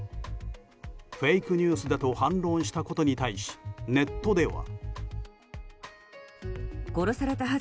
フェイクニュースだと反論したことに対しネットでは。